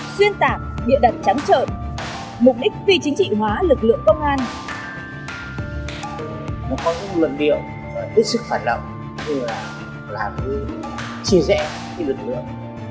xuyên tạc bịa đặt trắng trợn